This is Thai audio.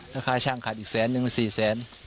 แล้วค่าช่างขัดอีกแสนหนึ่งสี่แสน